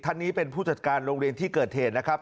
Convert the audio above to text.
ท่านนี้เป็นผู้จัดการโรงเรียนที่เกิดเหตุนะครับ